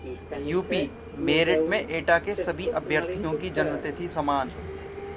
UP: merit में एटा के सभी अभ्यर्थियों की जन्मतिथि समान